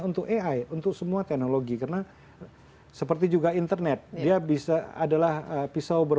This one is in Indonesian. ini tentang evaluasi com felt yang moreover